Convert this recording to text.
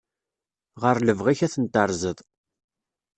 Ɣer lebɣi-k ad ten-tarzeḍ.